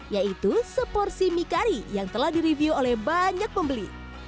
yaitu seporsi mie kari yang telah direview oleh banyak pembeli